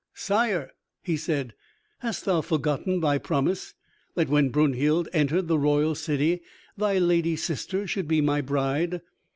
"Sire," he said, "hast thou forgotten thy promise, that when Brunhild entered the royal city thy lady sister should be my bride?"